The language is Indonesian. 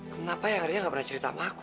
kenapa yang akhirnya gak pernah cerita sama aku